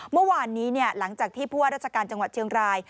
เมื่อวานนี้หลังจากที่ผู้ว่าราชการจังหวัดเชียงราย